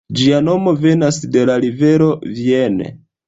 Ĝia nomo venas de la rivero Vienne.